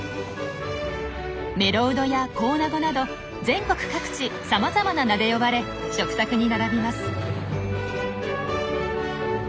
「メロウド」や「コウナゴ」など全国各地さまざまな名で呼ばれ食卓に並びます。